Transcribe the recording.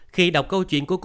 khi đọc câu chuyện của cô